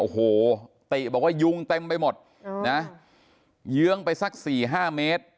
โอ้โหติบอกว่ายุงเต็มไปหมดนะเยื้องไปสัก๔๕เมตร